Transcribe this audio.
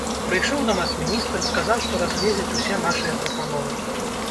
Прыйшоў да нас міністр, сказаў, што разгледзяць усе нашыя прапановы.